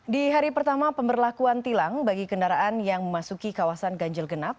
di hari pertama pemberlakuan tilang bagi kendaraan yang memasuki kawasan ganjil genap